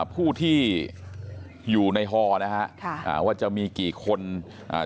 ผู้ที่อยู่ในฮอนะฮะค่ะอ่าว่าจะมีกี่คนอ่า